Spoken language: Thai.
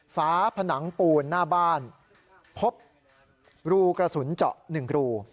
ฝาผนังปูนหน้าบ้านพบรูกระสุนเจาะ๑รู